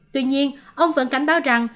tuy nhiên ông vẫn cảnh báo rằng